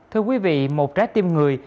thưa quý vị một trái tim người